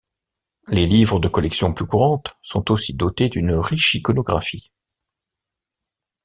Les livres de collections plus courantes, sont aussi dotés d'une riche iconographie.